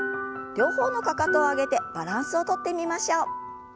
両方のかかとを上げてバランスをとってみましょう。